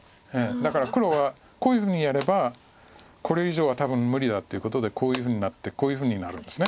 だから黒はこういうふうにやればこれ以上は多分無理だということでこういうふうになってこういうふうになるんです。